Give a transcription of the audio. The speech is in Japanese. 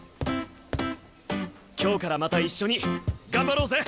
今日からまた一緒に頑張ろうぜ！